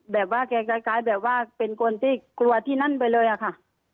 แบบว่าแกคล้ายแบบว่าเป็นคนที่กลัวที่นั่นไปเลยอะค่ะ